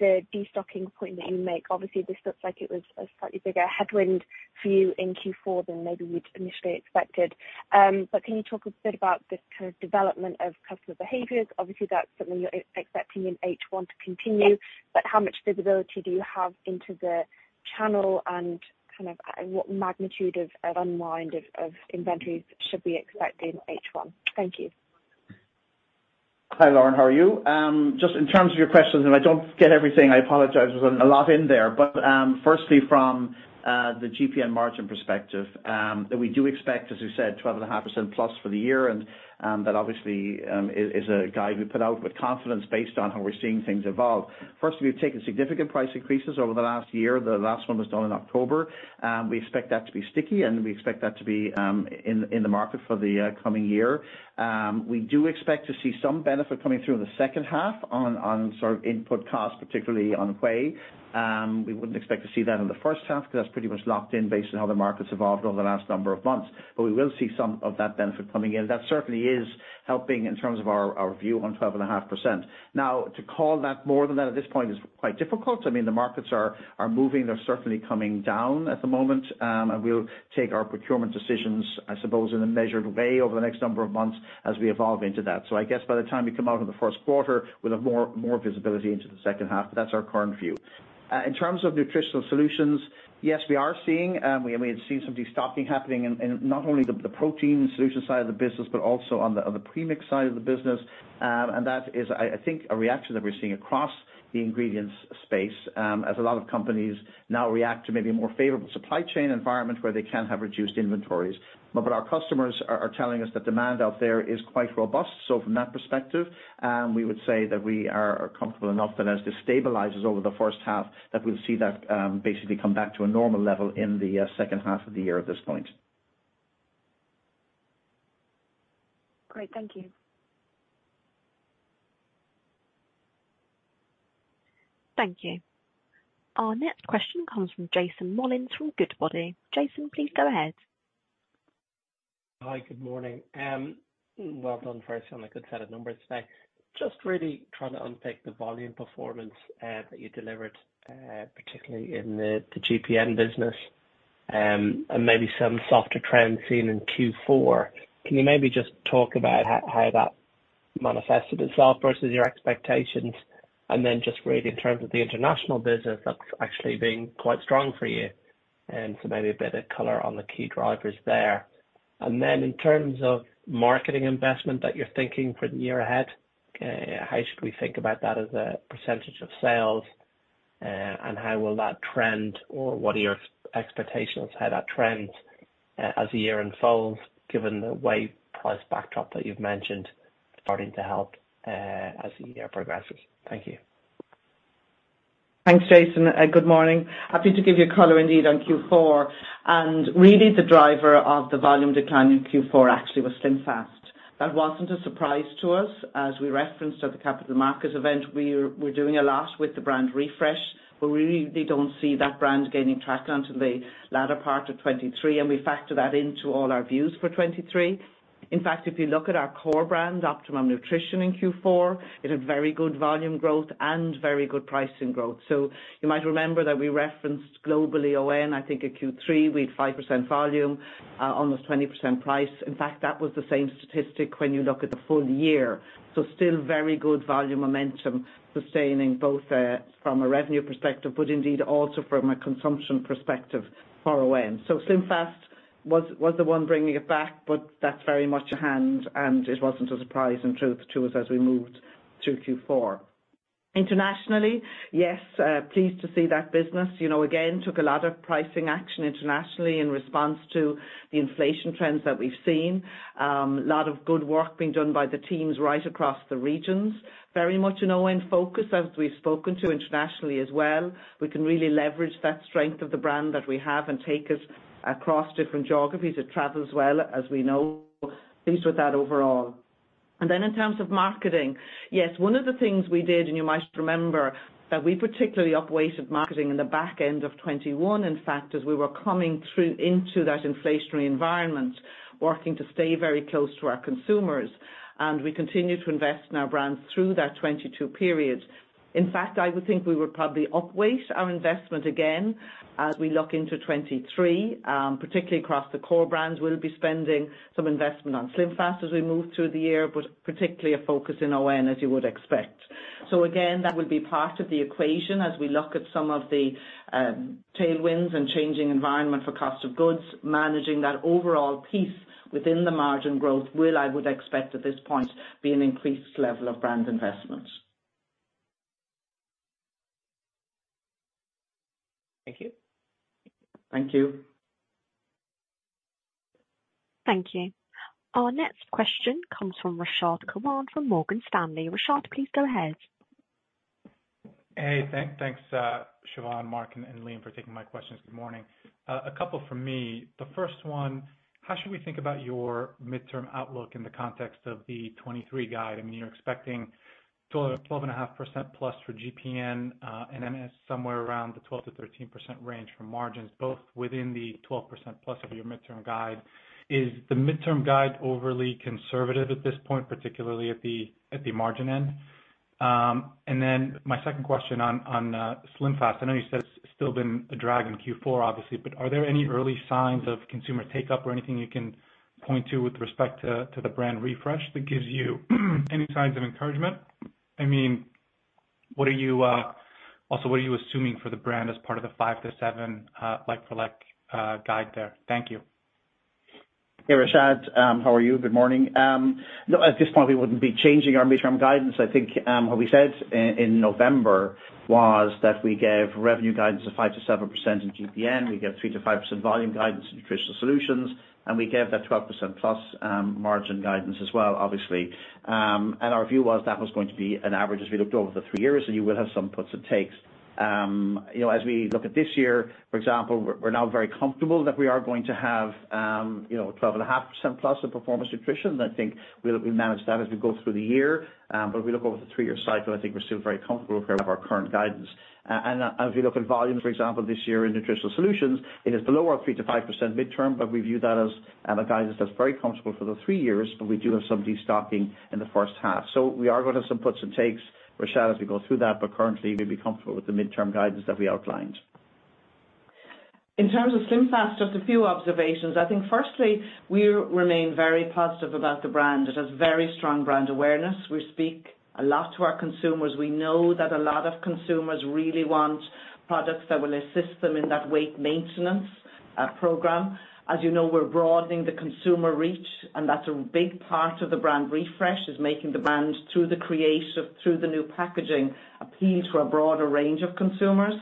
the destocking point that you make. Obviously, this looks like it was a slightly bigger headwind for you in Q4 than maybe we'd initially expected. Can you talk a bit about the kind of development of customer behaviors? Obviously, that's something you're expecting in H1 to continue, but how much visibility do you have into the channel and kind of at what magnitude of an unwind of inventories should we expect in H1? Thank you. Hi, Lauren. How are you? Just in terms of your questions, if I don't get everything, I apologize. There's a lot in there. Firstly, from the GPN margin perspective, that we do expect, as we said, 12.5%+ for the year. That obviously is a guide we put out with confidence based on how we're seeing things evolve. Firstly, we've taken significant price increases over the last year. The last one was done in October, and we expect that to be sticky and we expect that to be in the market for the coming year. We do expect to see some benefit coming through in the second half on sort of input costs, particularly on whey. We wouldn't expect to see that in the first half 'cause that's pretty much locked in based on how the market's evolved over the last number of months. We will see some of that benefit coming in. That certainly is helping in terms of our view on 12.5%. To call that more than that at this point is quite difficult. I mean, the markets are moving. They're certainly coming down at the moment. We'll take our procurement decisions, I suppose, in a measured way over the next number of months as we evolve into that. I guess by the time we come out in the first quarter, we'll have more visibility into the second half. That's our current view. In terms of Nutritional Solutions, yes, we are seeing, we have been seeing some destocking happening in not only the Protein Solutions side of the business, but also on the premix side of the business. That is, I think, a reaction that we're seeing across the ingredients space, as a lot of companies now react to maybe a more favorable supply chain environment where they can have reduced inventories. What our customers are telling us that demand out there is quite robust. From that perspective, we would say that we are comfortable enough that as this stabilizes over the first half, that we'll see that, basically come back to a normal level in the second half of the year at this point. Great. Thank you. Thank you. Our next question comes from Jason Molins from Goodbody. Jason, please go ahead. Hi. Good morning. Well done first on a good set of numbers today. Just really trying to unpick the volume performance that you delivered particularly in the GPN business, and maybe some softer trends seen in Q4. Can you maybe just talk about how that manifested itself versus your expectations? Just really in terms of the international business that's actually been quite strong for you, and so maybe a bit of color on the key drivers there. In terms of marketing investment that you're thinking for the year ahead, how should we think about that as a % of sales? How will that trend or what are your expectations how that trends? As the year unfolds, given the wave price backdrop that you've mentioned starting to help, as the year progresses. Thank you. Thanks, Jason, good morning. Happy to give you color indeed on Q4. Really the driver of the volume decline in Q4 actually was SlimFast. That wasn't a surprise to us. As we referenced at the capital market event, we're doing a lot with the brand refresh, but we really don't see that brand gaining traction until the latter part of 2023, and we factor that into all our views for 2023. In fact, if you look at our core brand, Optimum Nutrition in Q4, it had very good volume growth and very good pricing growth. You might remember that we referenced globally ON, I think, at Q3, we had 5% volume, almost 20% price. In fact, that was the same statistic when you look at the full year. Still very good volume momentum sustaining both from a revenue perspective, but indeed also from a consumption perspective for ON. SlimFast was the one bringing it back, but that's very much a hand, and it wasn't a surprise in truth to us as we moved through Q4. Internationally, yes, pleased to see that business, you know, again, took a lot of pricing action internationally in response to the inflation trends that we've seen. Lot of good work being done by the teams right across the regions. Very much an ON focus as we've spoken to internationally as well. We can really leverage that strength of the brand that we have and take us across different geographies. It travels well, as we know. Pleased with that overall. In terms of marketing, yes, one of the things we did, and you might remember, that we particularly up-weighted marketing in the back end of 2021, in fact, as we were coming through into that inflationary environment, working to stay very close to our consumers, and we continued to invest in our brands through that 2022 period. In fact, I would think we would probably up-weight our investment again as we look into 2023, particularly across the core brands. We'll be spending some investment on SlimFast as we move through the year, but particularly a focus in ON as you would expect. Again, that would be part of the equation as we look at some of the tailwinds and changing environment for cost of goods, managing that overall piece within the margin growth will, I would expect at this point, be an increased level of brand investment. Thank you. Thank you. Thank you. Our next question comes from Rashad Kawan from Morgan Stanley. Rashad, please go ahead. Hey, thanks, Siobhán, Mark, and Liam for taking my questions. Good morning. A couple from me. The first one, how should we think about your midterm outlook in the context of the 2023 guide? I mean, you're expecting 12-12.5%+ for GPN, then somewhere around the 12%-13% range for margins, both within the 12%+ of your midterm guide. Is the midterm guide overly conservative at this point, particularly at the margin end? Then my second question on SlimFast. I know you said it's still been a drag in Q4, obviously, are there any early signs of consumer take-up or anything you can point to with respect to the brand refresh that gives you any signs of encouragement? I mean, what are you, also, what are you assuming for the brand as part of the 5%-7%, like for like, guide there? Thank you. Hey, Rashad, how are you? Good morning. No, at this point, we wouldn't be changing our midterm guidance. I think, what we said in November was that we gave revenue guidance of 5%-7% in GPN. We gave 3%-5% volume guidance in Nutritional Solutions, and we gave that 12%+, margin guidance as well, obviously. Our view was that was going to be an average as we looked over the three years, so you will have some puts and takes. You know, as we look at this year, for example, we're now very comfortable that we are going to have, you know, 12.5%+ in Performance Nutrition. I think we'll manage that as we go through the year. If we look over the three-year cycle, I think we're still very comfortable with our current guidance. As we look at volumes, for example, this year in Nutritional Solutions, it is below our 3%-5% midterm, but we view that as a guidance that's very comfortable for the three years, but we do have some destocking in the first half. We are gonna have some puts and takes, Rashad, as we go through that, currently we'd be comfortable with the midterm guidance that we outlined. In terms of SlimFast, just a few observations. I think firstly, we remain very positive about the brand. It has very strong brand awareness. We speak a lot to our consumers. We know that a lot of consumers really want products that will assist them in that weight maintenance program. As you know, we're broadening the consumer reach, and that's a big part of the brand refresh, is making the brand through the creative, through the new packaging, appeal to a broader range of consumers.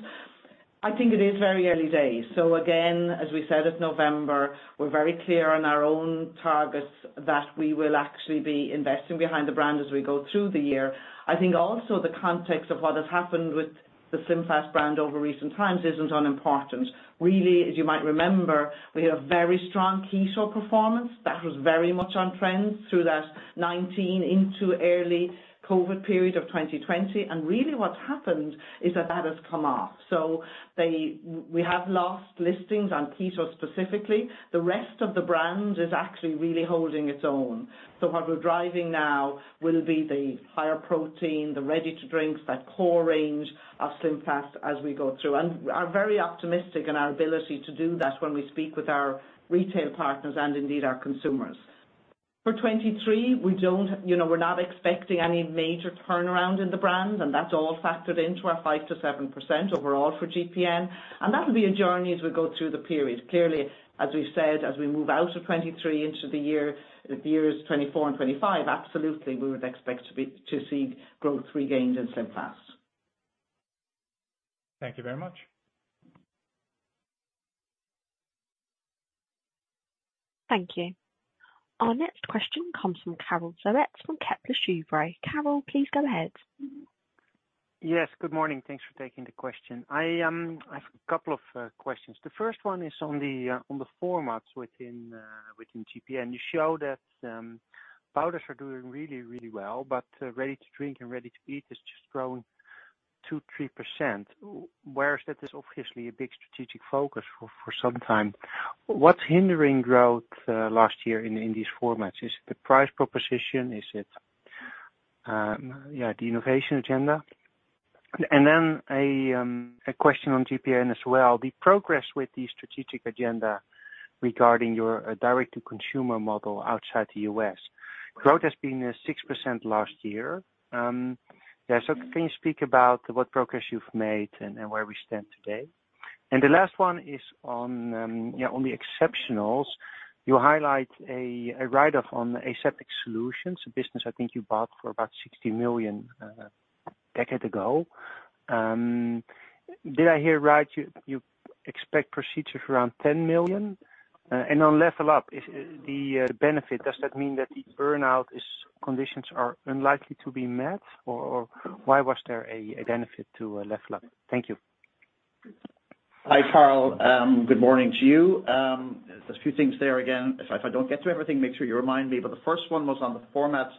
I think it is very early days. Again, as we said in November, we're very clear on our own targets that we will actually be investing behind the brand as we go through the year. I think also the context of what has happened with the SlimFast brand over recent times isn't unimportant. Really, as you might remember, we had a very strong Keto performance that was very much on trend through that 2019 into early COVID period of 2020. Really what's happened is that that has come off. We have lost listings on Keto specifically. The rest of the brand is actually really holding its own. What we're driving now will be the higher protein, the ready-to-drinks, that core range of SlimFast as we go through. We are very optimistic in our ability to do that when we speak with our retail partners and indeed our consumers. For 2023, we don't, you know, we're not expecting any major turnaround in the brand, and that's all factored into our 5%-7% overall for GPN. That'll be a journey as we go through the period. Clearly, as we've said, as we move out of 2023 into the year, the years 2024 and 2025, absolutely, we would expect to be, to see growth regained in SlimFast. Thank you very much. Thank you. Our next question comes from Karel Zoete from Kepler Cheuvreux. Karel, please go ahead. Yes, good morning. Thanks for taking the question. I have a couple of questions. The first one is on the formats within GPN. You show that powders are doing really, really well, but ready to drink and ready to eat has just 2%-3%, whereas that is obviously a big strategic focus for some time. What's hindering growth last year in these formats? Is it the price proposition? Is it, yeah, the innovation agenda? Then a question on GPN as well, the progress with the strategic agenda regarding your direct to consumer model outside the U.S. Growth has been 6% last year. Yeah, so can you speak about what progress you've made and where we stand today? The last one is on, yeah, on the exceptionals. You highlight a write-off on Aseptic Solutions, a business I think you bought for about $60 million a decade ago. Did I hear right, you expect procedures around $10 million? On LevlUp, is the benefit, does that mean that the burnout is conditions are unlikely to be met? Why was there a benefit to LevlUp? Thank you. Hi, Karel. Good morning to you. There's a few things there. If I don't get to everything, make sure you remind me, but the first one was on the formats.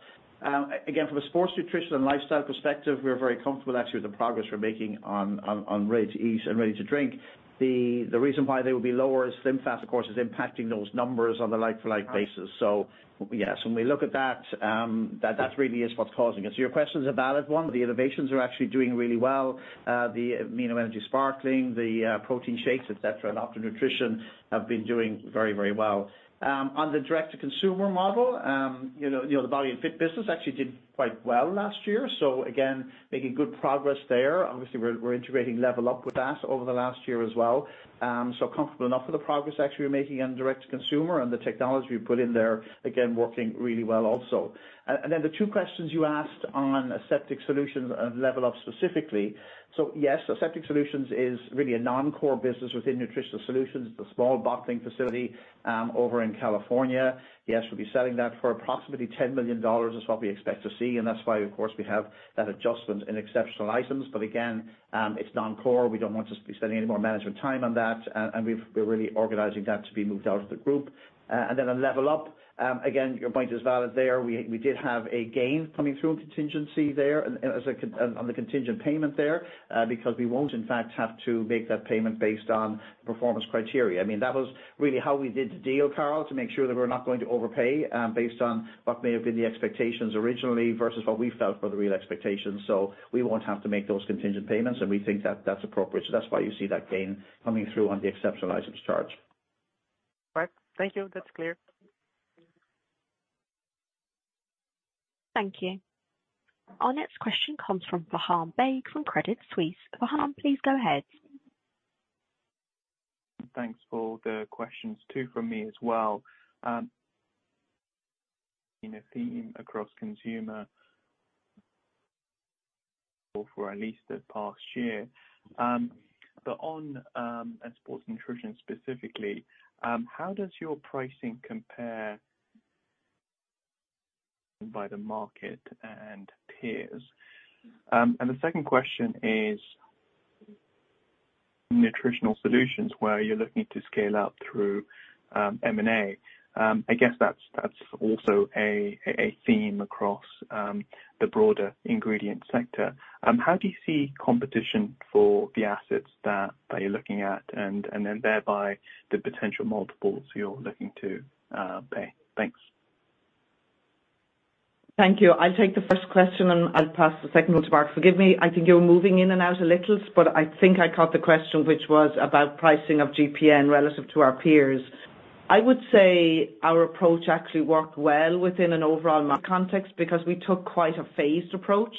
Again, from a sports nutrition and lifestyle perspective, we're very comfortable actually with the progress we're making on ready to eat and ready to drink. The reason why they would be lower is SlimFast, of course, is impacting those numbers on the like-for-like basis. Yes, when we look at that really is what's causing it. Your question is a valid one. The innovations are actually doing really well. The Amin.O. Energy Sparkling, the protein shakes, et cetera, and Optimum Nutrition have been doing very well. On the direct to consumer model, you know, the Body & Fit business actually did quite well last year. Again, making good progress there. Obviously, we're integrating LevlUp with that over the last year as well. Comfortable enough with the progress actually we're making on direct to consumer and the technology we've put in there, again, working really well also. The two questions you asked on Aseptic Solutions and LevlUp specifically. Yes, Aseptic Solutions is really a non-core business within Nutritional Solutions, the small bottling facility over in California. Yes, we'll be selling that for approximately $10 million is what we expect to see. That's why, of course, we have that adjustment in exceptional items. Again, it's non-core. We don't want to be spending any more management time on that. We're really organizing that to be moved out of the group. Then on LevlUp, again, your point is valid there. We did have a gain coming through in contingency there on the contingent payment there, because we won't in fact, have to make that payment based on performance criteria. I mean, that was really how we did the deal, Karel, to make sure that we're not going to overpay based on what may have been the expectations originally versus what we felt were the real expectations. We won't have to make those contingent payments, and we think that that's appropriate. That's why you see that gain coming through on the exceptional items charge. Right. Thank you. That's clear. Thank you. Our next question comes from Faham Baig from Credit Suisse. Faham, please go ahead. Thanks for the questions too from me as well. In a theme across consumer for at least the past year. On sports nutrition specifically, how does your pricing compare by the market and peers? The second question is Nutritional Solutions, where you're looking to scale up through M&A. I guess that's also a theme across the broader ingredient sector. How do you see competition for the assets that you're looking at and then thereby the potential multiples you're looking to pay? Thanks. Thank you. I'll take the first question, and I'll pass the second one to Mark. Forgive me. I think you're moving in and out a little, but I think I caught the question, which was about pricing of GPN relative to our peers. I would say our approach actually worked well within an overall market context because we took quite a phased approach.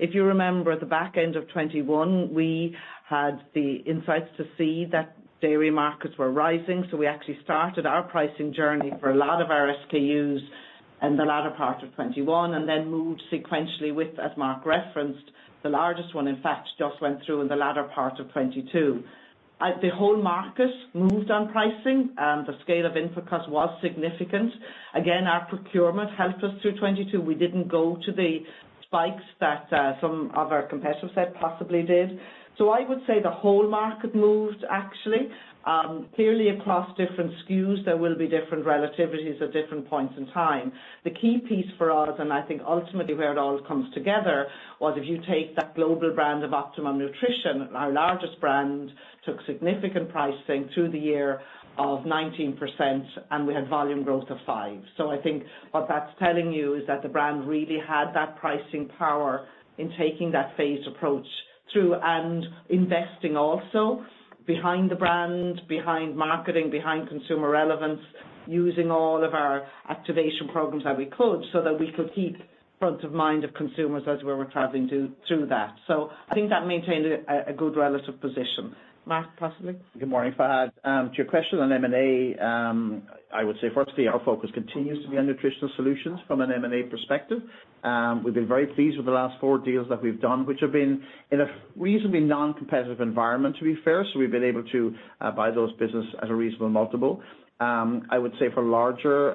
If you remember at the back end of 2021, we had the insights to see that dairy markets were rising, so we actually started our pricing journey for a lot of our SKUs in the latter part of 2021 and then moved sequentially with, as Mark referenced, the largest one, in fact, just went through in the latter part of 2022. As the whole market moved on pricing, the scale of input cost was significant. Again, our procurement helped us through 2022. We didn't go to the spikes that some of our competitors had possibly did. I would say the whole market moved actually. Clearly across different SKUs, there will be different relativities at different points in time. The key piece for us, and I think ultimately where it all comes together, was if you take that global brand of Optimum Nutrition, our largest brand, took significant pricing through the year of 19%, and we had volume growth of 5%. I think what that's telling you is that the brand really had that pricing power in taking that phased approach through and investing also behind the brand, behind marketing, behind consumer relevance, using all of our activation programs that we could so that we could keep front of mind of consumers as where we're traveling through that. I think that maintained a good relative position. Mark, possibly. Good morning. To your question on M&A, I would say firstly our focus continues to be on Nutritional Solutions from an M&A perspective. We've been very pleased with the last four deals that we've done, which have been in a reasonably non-competitive environment, to be fair. We've been able to buy those business at a reasonable multiple. I would say for larger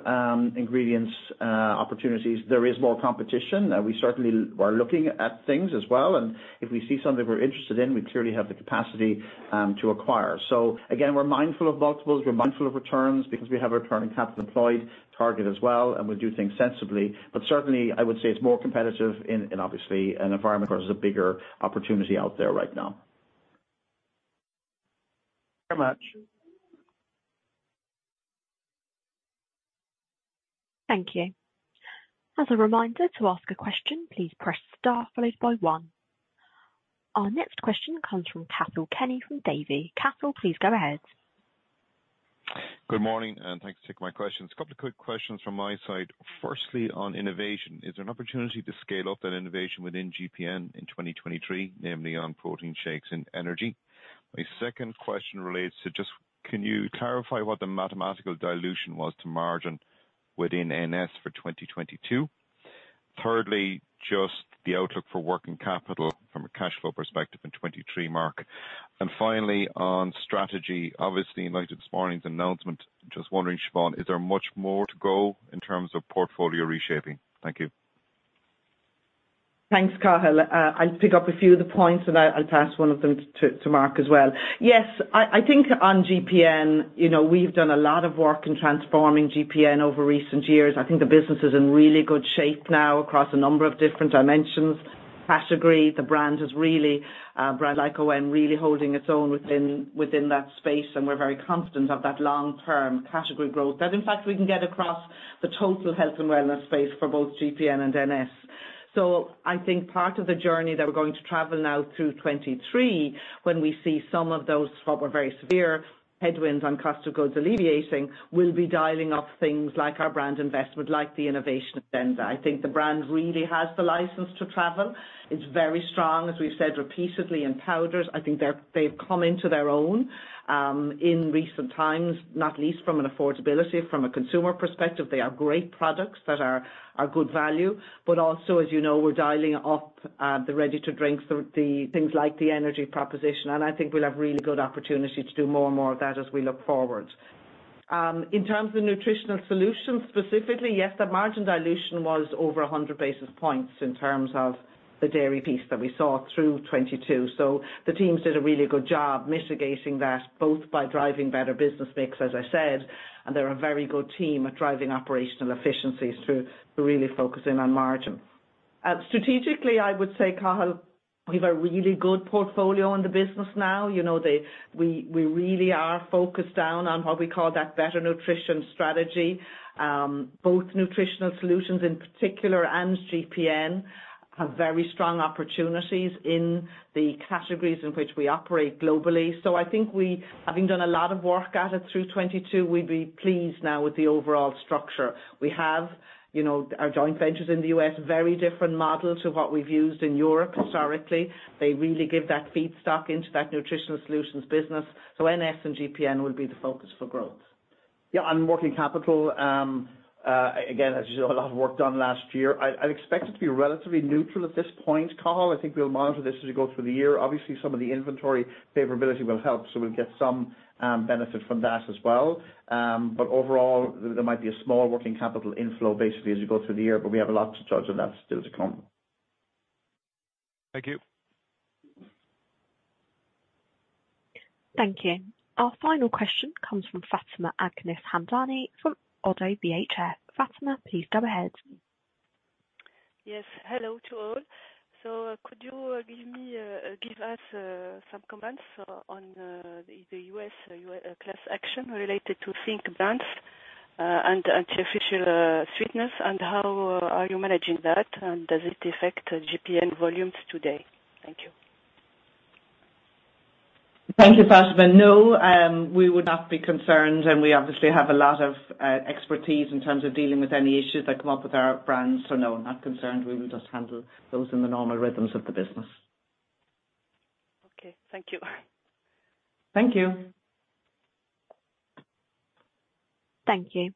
ingredients opportunities, there is more competition. We certainly are looking at things as well, and if we see something we're interested in, we clearly have the capacity to acquire. Again, we're mindful of multiples, we're mindful of returns because we have a returning capital employed target as well, and we do things sensibly. Certainly I would say it's more competitive in obviously an environment where there's a bigger opportunity out there right now. Very much. Thank you. As a reminder, to ask a question, please press star followed by one. Our next question comes from Cathal Kenny from Davy. Cathal, please go ahead. Good morning. Thanks for taking my questions. A couple of quick questions from my side. Firstly, on innovation, is there an opportunity to scale up that innovation within GPN in 2023, namely on protein shakes and energy? My second question relates to just can you clarify what the mathematical dilution was to margin within NS for 2022? Thirdly, just the outlook for working capital from a cash flow perspective in 2023, Mark? Finally, on strategy, obviously in light of this morning's announcement, just wondering, Siobhán, is there much more to go in terms of portfolio reshaping? Thank you. Thanks, Cathal. I'll pick up a few of the points and I'll pass one of them to Mark as well. Yes, I think on GPN, you know, we've done a lot of work in transforming GPN over recent years. I think the business is in really good shape now across a number of different dimensions. Category, the brand is really brand like ON, really holding its own within that space, and we're very confident of that long-term category growth that in fact we can get across the total health and wellness space for both GPN and NS. I think part of the journey that we're going to travel now through 2023 when we see some of those what were very severe headwinds on cost of goods alleviating will be dialing up things like our brand investment, like the innovation agenda. I think the brand really has the license to travel. It's very strong, as we've said repeatedly in powders. I think they've come into their own in recent times, not least from an affordability. From a consumer perspective, they are great products that are good value. Also as you know, we're dialing up the ready-to-drink, the things like the energy proposition, and I think we'll have really good opportunity to do more and more of that as we look forward. In terms of Nutritional Solutions, specifically, yes, the margin dilution was over 100 basis points in terms of the dairy piece that we saw through 2022. The teams did a really good job mitigating that both by driving better business mix, as I said, and they're a very good team at driving operational efficiencies through really focusing on margin. Strategically, I would say, Cathal, we have a really good portfolio in the business now. You know, we really are focused down on what we call that better nutrition strategy. Both Nutritional Solutions in particular and GPN have very strong opportunities in the categories in which we operate globally. I think we, having done a lot of work at it through 2022, we'd be pleased now with the overall structure. We have, you know, our joint ventures in the U.S., very different model to what we've used in Europe historically. They really give that feedstock into that Nutritional Solutions business. NS and GPN will be the focus for growth. Yeah, on working capital, again, as a lot of work done last year, I'd expect it to be relatively neutral at this point, Cathal. I think we'll monitor this as you go through the year. Obviously, some of the inventory favorability will help, so we'll get some benefit from that as well. Overall, there might be a small working capital inflow basically as you go through the year, but we have a lot to judge on that still to come. Thank you. Thank you. Our final question comes from Fatma Agnès Hamdani from Oddo BHF. Fatma, please go ahead. Yes. Hello to all. Could you give me, give us, some comments on, the U.S. class action related to think! brands, and artificial, sweetness, and how are you managing that, and does it affect GPN volumes today? Thank you. Thank you, Fatma. No, we would not be concerned, and we obviously have a lot of expertise in terms of dealing with any issues that come up with our brands. No, not concerned. We will just handle those in the normal rhythms of the business. Okay. Thank you. Thank you. Thank you.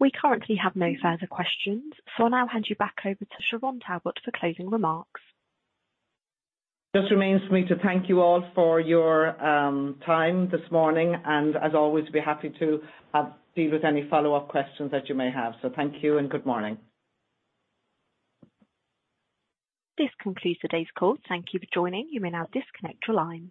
We currently have no further questions. I'll now hand you back over to Siobhán Talbot for closing remarks. Just remains for me to thank you all for your, time this morning, and as always, be happy to, deal with any follow-up questions that you may have. Thank you and good morning. This concludes today's call. Thank you for joining. You may now disconnect your lines.